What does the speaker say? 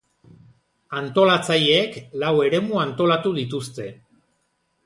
Antolatzaileek lau eremu antolatu dituzte.